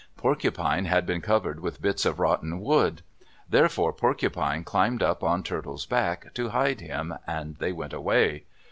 Porcupine had been covered with bits of rotten wood. Therefore Porcupine climbed up on Turtle's back, to hide him, and they went away.